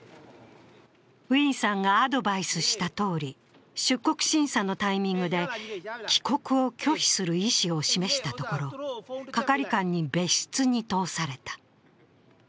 ウィンさんがアドバイスしたとおり、出国審査のタイミングで帰国を拒否する意思を示したところ、係官に別室に通された。